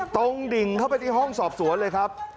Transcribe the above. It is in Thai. ตรงดิ่งเข้าไปที่ห้องสอบสวนเลยครับ